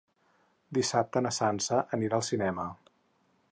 Dissabte na Sança anirà al cinema.